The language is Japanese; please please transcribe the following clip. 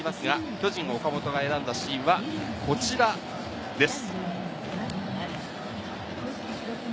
巨人・岡本和真が選んだシーンはこちらです。